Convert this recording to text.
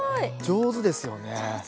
上手ですね。